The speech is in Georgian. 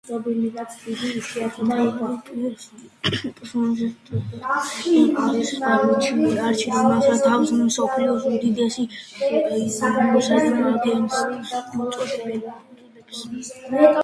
სერიალის მთავარი პერსონაჟია სტერლინგ არჩერი, რომელიც თავს „მსოფლიოს უდიდეს საიდუმლო აგენტს“ უწოდებს.